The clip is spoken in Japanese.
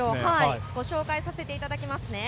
ご紹介させていただきます。